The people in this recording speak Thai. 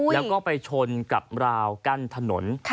แล้วก็ไปชนกับราวกั้นถนน